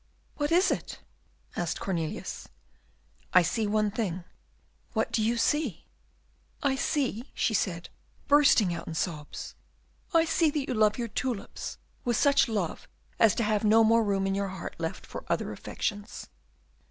"What is it?" asked Cornelius. "I see one thing." "What do you see?" "I see," said she, bursting out in sobs, "I see that you love your tulips with such love as to have no more room in your heart left for other affections."